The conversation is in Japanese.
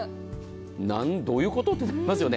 どういうこと？って思いますよね。